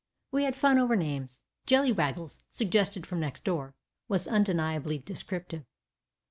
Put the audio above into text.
We had fun over names. "Jellywaggles," suggested from next door, was undeniably descriptive.